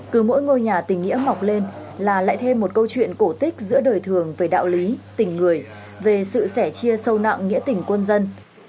cứ mỗi ngôi nhà tình nghĩa mọc lên là lại thêm một câu chuyện cổ tích giữa đời thường về đạo lý tình người về sự sẻ chia sâu nặng nghĩa tình quân dân